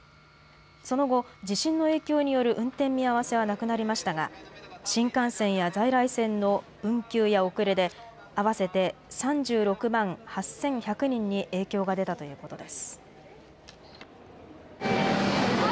その後、地震の影響による運転見合わせはなくなりましたが、新幹線や在来線の運休や遅れで、合わせて３６万８１００人に影響が出たということです。